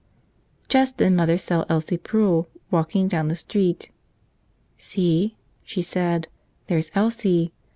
Just then mother saw Elsie Prull walk down the street. "See," she said, "there's Elsie.